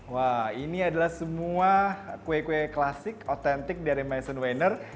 wah ini adalah semua kue kue klasik otentik dari maison weiner